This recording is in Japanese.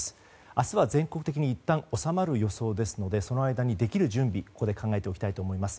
明日は全国的にいったん収まる予想ですのでその間にできる準備を考えておきたいと思います。